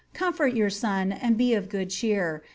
Comfort your son, and be of good cheer.